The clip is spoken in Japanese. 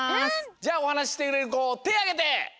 じゃあおはなししてくれるこてあげて！